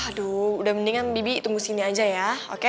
aduh udah mendingan bibi tunggu sini aja ya oke